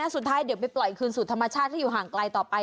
สุดท้ายเดี๋ยวไปปล่อยคืนสู่ธรรมชาติที่อยู่ห่างไกลต่อไป